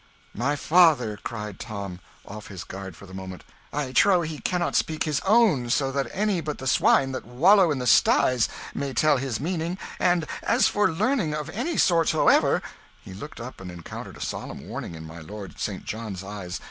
"My father!" cried Tom, off his guard for the moment. "I trow he cannot speak his own so that any but the swine that kennel in the styes may tell his meaning; and as for learning of any sort soever " He looked up and encountered a solemn warning in my Lord St. John's eyes.